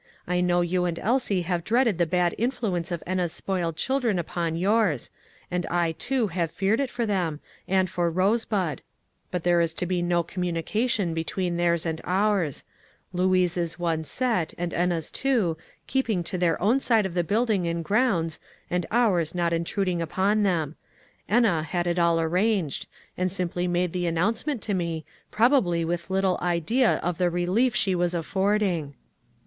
I know you and Elsie have dreaded the bad influence of Enna's spoiled children upon yours; and I, too, have feared it for them, and for Rosebud; but there is to be no communication between theirs and ours; Louise's one set, and Enna's two, keeping to their own side of the building and grounds, and ours not intruding upon them. Enna had it all arranged, and simply made the announcement to me, probably with little idea of the relief she was affording."